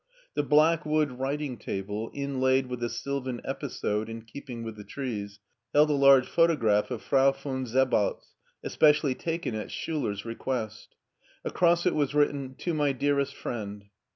The black wood writing table, inlaid with a sylvan episode in keeping with the trees, held a large photograph of Frau von Sebaltz, especially taken at Schiller's request Across it was written "To my dearest friend!